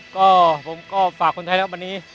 ก็ผมก็ฝากคนไทยนะครับวันนี้